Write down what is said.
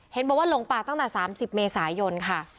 เห็นบอกว่าหลงป่าตั้งแต่๓๐เมษายนค่ะ